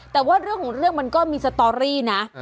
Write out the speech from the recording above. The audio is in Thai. แต่ว่าเรื่องของเรื่องมันก็มีสตอรี่นะ